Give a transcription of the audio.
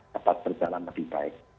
dapat berjalan lebih baik